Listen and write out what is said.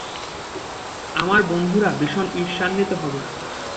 আমার বন্ধুরা ভীষণ ঈর্ষান্বিত হবে।